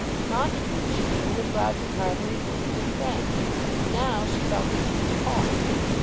Montague, she knew, was Roger Carbury's intimate friend, and now she felt that she was caught.